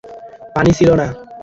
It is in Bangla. পানি ছিল না।